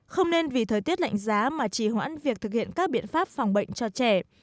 không nên vì thời tiết lạnh giá mà chỉ hoãn việc thực hiện các biện pháp phòng bệnh cho trẻ